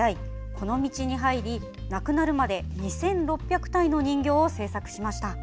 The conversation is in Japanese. この道に入り亡くなるまで２６００体の人形を制作しました。